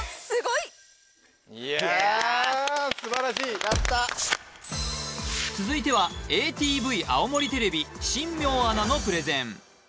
いやあ良かった続いてはＡＴＶ青森テレビ新名アナのプレゼン